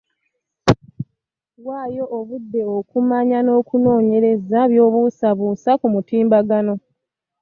Waayo obudde okumanya n'okunoonyereza by'obuusabuusa ku mutimbagano